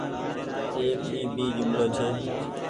ايڪ اي ڀي جملو ڇي